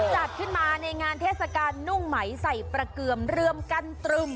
จัดขึ้นมาในงานเทศกาลนุ่งไหมใส่ประเกือมเรือมกันตรึม